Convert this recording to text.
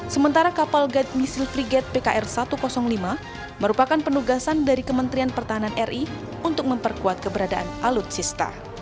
sementara kapal guide misil frigate pkr satu ratus lima merupakan penugasan dari kementerian pertahanan ri untuk memperkuat keberadaan alutsista